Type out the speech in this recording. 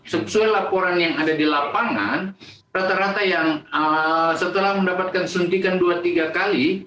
sesuai laporan yang ada di lapangan rata rata yang setelah mendapatkan suntikan dua tiga kali